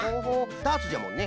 ダーツじゃもんね。